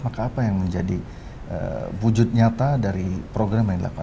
maka apa yang menjadi wujud nyata dari program yang dilakukan